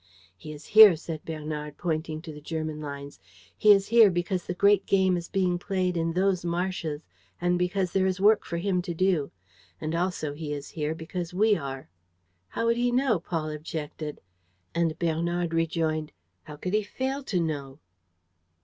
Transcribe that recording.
"He is here," said Bernard, pointing to the German lines. "He is here because the great game is being played in those marshes and because there is work for him to do. And also he is here because we are." "How would he know?" Paul objected. And Bernard rejoined: "How could he fail to know?"